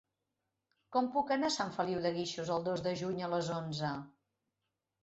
Com puc anar a Sant Feliu de Guíxols el dos de juny a les onze?